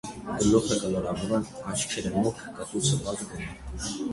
Գլուխը կլորավուն է, աչքերը՝ մուգ, կտուցը՝ բաց գույնի։